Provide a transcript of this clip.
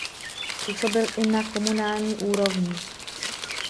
Působil i na komunální úrovni.